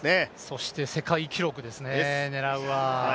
そして世界記録ですね、狙うわ。